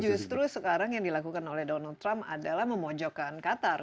justru sekarang yang dilakukan oleh donald trump adalah memojokkan qatar